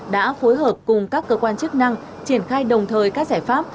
đã phối hợp cùng các cơ quan chức năng triển khai đồng thời các giải pháp